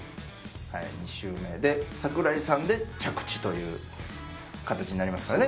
はい２周目で櫻井さんで着地というかたちになりますかね